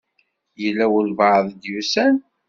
Yella walebɛaḍ i d-yusan?